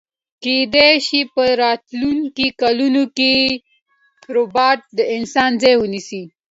کیدای شی په راتلونکي کلونو کی ربات د انسان ځای ونیسي